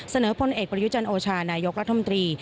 เสนอพลเอกประยุจรรย์โอชานายกรัฐมตรี